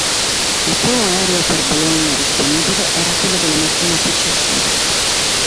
Il primo aereo per Bologna disponibile era quello della mattina successiva.